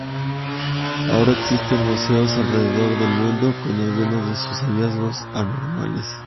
Ahora existen museos alrededor del mundo con algunos de sus hallazgos anormales.